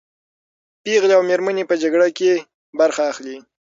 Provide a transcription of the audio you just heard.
پېغلې او مېرمنې په جګړه کې برخه اخلي.